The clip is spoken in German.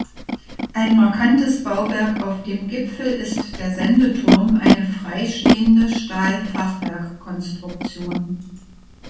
Ein markantes Bauwerk auf dem Gipfel ist der Sendeturm, eine frei stehende Stahlfachwerkkonstruktion.